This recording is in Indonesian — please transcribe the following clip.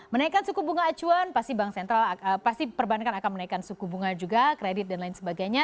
menaikan suku bunga acuan pasti bank sentral pasti perbankan akan menaikkan suku bunga juga kredit dan lain sebagainya